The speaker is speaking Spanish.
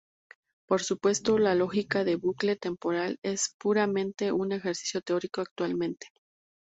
Por supuesto, la lógica de bucle temporal es puramente un ejercicio teórico actualmente.